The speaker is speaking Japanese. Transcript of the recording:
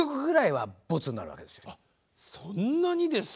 そんなにですか。